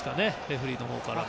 レフェリーのほうから。